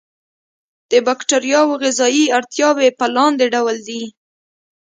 د باکتریاوو غذایي اړتیاوې په لاندې ډول دي.